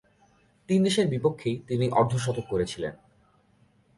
তিন দেশের বিপক্ষেই তিনি অর্ধ-শতক করেছিলেন।